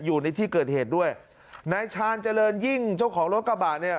อยู่ในที่เกิดเหตุด้วยนายชาญเจริญยิ่งเจ้าของรถกระบะเนี่ย